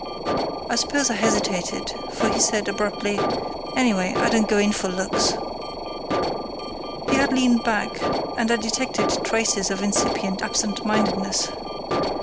I suppose I hesitated, for he said, abruptly: "Anyway, I don't go in for looks." He had leaned back, and I detected traces of incipient absentmindedness.